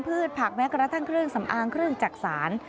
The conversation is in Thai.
ผักแม้กระทั่งเครื่องสำอางเครื่องจักษาน